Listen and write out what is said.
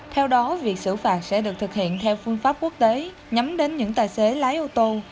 theo đó việc xử phạt sẽ được thực hiện theo phương pháp quốc tế nhắm đến những tài xế lái ô tô